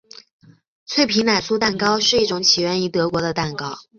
脆皮奶酥蛋糕是一种起源于德国的蛋糕。